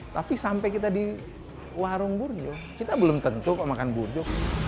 tapi sampai kita di warung burjo kita belum tentu kok makan burjo